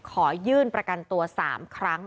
ขอยื่นประกันตัว๓ครั้ง